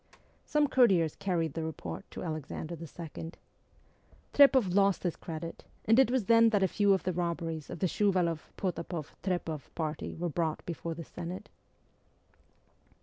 Some courtiers carried the report to Alexander II. Trepoff lost his credit, and it was then that a few of the robberies of the Shuvaloff Potapoff Trepoff party were brought before the Senate.